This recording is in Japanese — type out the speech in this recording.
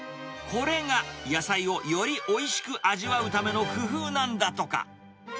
これが野菜をよりおいしく味わうための工夫なんだとか。